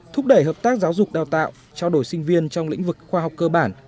thúc đẩy hợp tác giáo dục đào tạo trao đổi sinh viên trong lĩnh vực khoa học cơ bản